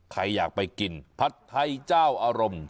ใครอยากไปกินผัดไทยเจ้าอารมณ์